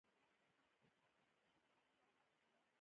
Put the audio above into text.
ایا له حیواناتو ویریږئ؟